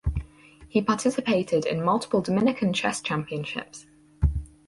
He participated in multiple Dominican Chess Championships.